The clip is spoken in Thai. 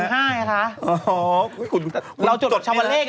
อ๋อคุณจดนี้หรือคุณต้องนะเราจดชาวเลข